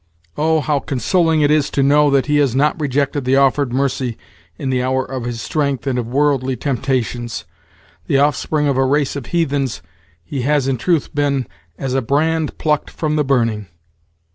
Oh! how consoling it is to know that he has not rejected the offered mercy in the hour of his strength and of worldly temptations! The offspring of a race of heathens, he has in truth been 'as a brand plucked from the burning.'"